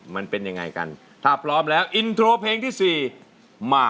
มันเป็นยังไงกันถ้าพร้อมแล้วอินโทรเพลงที่สี่มา